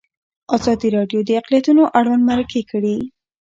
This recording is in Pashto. ازادي راډیو د اقلیتونه اړوند مرکې کړي.